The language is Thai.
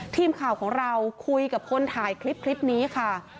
ทีมข่าวของเราคุยกับคนถ่ายคลิปนี้ค่ะ